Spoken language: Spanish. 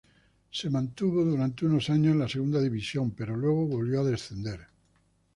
Se mantuvo por unos años en la Segunda División pero luego volvió a descender.